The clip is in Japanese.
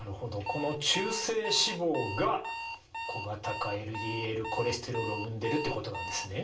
この中性脂肪が小型化ＬＤＬコレステロールを生んでるってことなんですね。